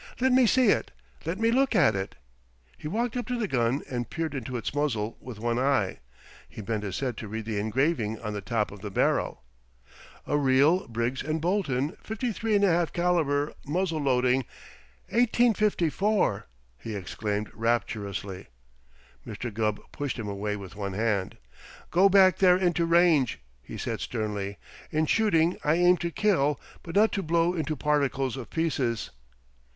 Let me see it. Let me look at it." He walked up to the gun and peered into its muzzle with one eye. He bent his head to read the engraving on the top of the barrel. "A real Briggs & Bolton 53 1/2 caliber, muzzle loading, 1854!" he exclaimed rapturously. Mr. Gubb pushed him away with one hand. "Go back there into range," he said sternly. "In shooting I aim to kill, but not to blow into particles of pieces."